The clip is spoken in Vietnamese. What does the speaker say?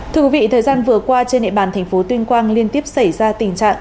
thưa quý vị thời gian vừa qua trên địa bàn tp tuyên quang liên tiếp xảy ra tình trạng